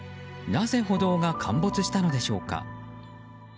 なぜ歩道が陥没したのでしょうか？